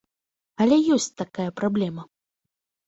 Але ёсць такая праблема.